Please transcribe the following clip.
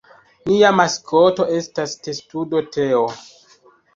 Nia maskoto estas testudo Teo.